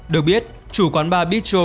được biết chủ quán ba bichro